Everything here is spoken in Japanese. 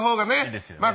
いいですよね。